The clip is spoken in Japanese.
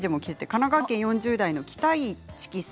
神奈川県４０代の方です。